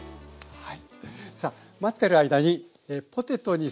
はい。